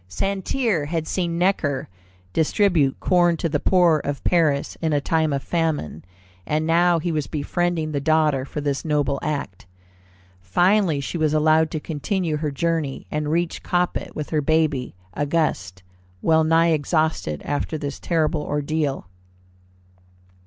Santerre had seen Necker distribute corn to the poor of Paris in a time of famine, and now he was befriending the daughter for this noble act. Finally she was allowed to continue her journey, and reached Coppet with her baby, Auguste, well nigh exhausted after this terrible ordeal.